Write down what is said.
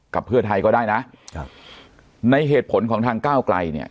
เพื่อไทยก็ได้นะครับในเหตุผลของทางก้าวไกลเนี่ย